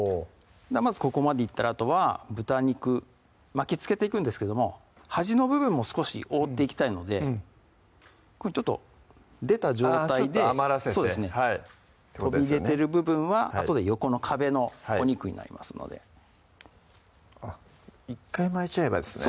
まずここまでいったらあとは豚肉巻きつけていくんですけども端の部分も少し覆っていきたいのでこういうふうにちょっと出た状態で飛び出てる部分はあとで横の壁のお肉になりますので１回巻いちゃえばいいですね